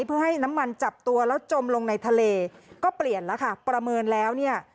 เพื่อให้น้ำมันจับตัวแล้วจมลงในทะเลก็เปลี่ยนแล้วค่ะประเมินแล้วเนี่ย